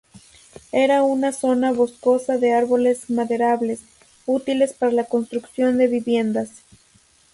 Era una zona boscosa de árboles maderables, útiles para la construcción de viviendas.